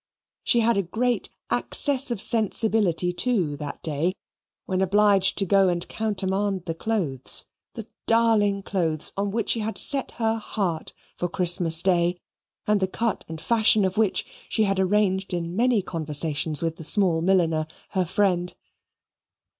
She had a great access of sensibility too that day, when obliged to go and countermand the clothes, the darling clothes on which she had set her heart for Christmas Day, and the cut and fashion of which she had arranged in many conversations with a small milliner, her friend.